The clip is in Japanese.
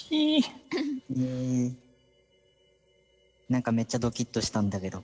何かめっちゃどきっとしたんだけど。